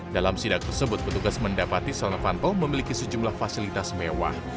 dalam sidak tersebut petugas mendapati setia novanto memiliki sejumlah fasilitas mewah